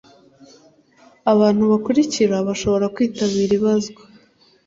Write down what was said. abantu bakurikira bashobora kwitabira ibazwa